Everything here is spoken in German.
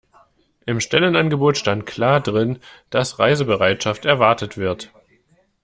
Im Stellenangebot stand klar drin, dass Reisebereitschaft erwartet wird.